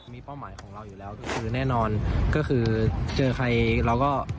มีเป้าหมายของเราอยู่แล้วก็คือแน่นอนก็คือเจอใครเราก็